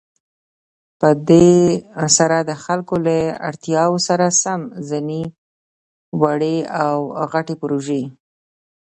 په دې سره د خلكو له اړتياوو سره سم ځينې وړې او غټې پروژې